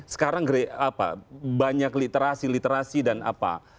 sekarang banyak literasi literasi dan apa